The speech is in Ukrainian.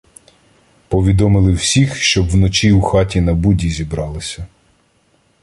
Повідомили всіх, щоб вночі у хаті на Буді зібралися.